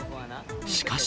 しかし。